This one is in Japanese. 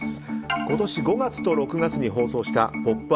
今年５月と６月に放送した「ポップＵＰ！」